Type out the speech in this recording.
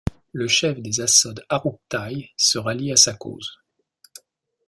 Le chef des Asod Arouktaï se rallie à sa cause.